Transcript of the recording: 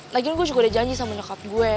lagian gue juga udah janji sama nyokap gue